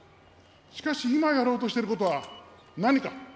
しかし、今やろうとしていることは何か。